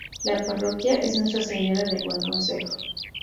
La parroquia es Nuestra Señora del Buen Consejo.